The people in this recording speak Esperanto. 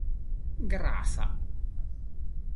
grasa